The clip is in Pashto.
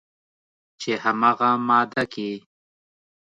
چې همغه ماده کې